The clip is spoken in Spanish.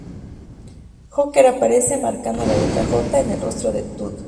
Joker aparece marcando la letra 'J' en el rostro de Todd.